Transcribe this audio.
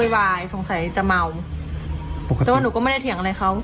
เห็นใจจริงค่ะ